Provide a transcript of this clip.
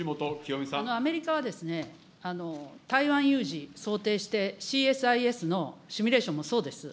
そのアメリカは、台湾有事想定して、ＣＳＩＳのシミュレーションもそうです。